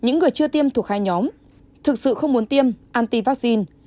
những người chưa tiêm thuộc hai nhóm thực sự không muốn tiêm anti vaccine